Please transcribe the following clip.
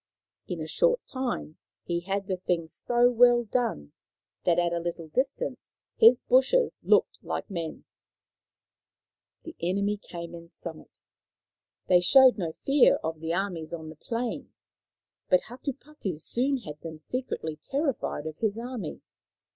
In a short time he had the thing so well done that at a little distance his bushes looked like men. The enemy came in sight. They showed no Hatupatu 119 fear of the armies on the plain, but Hatupatu soon had them secretly terrified of his army.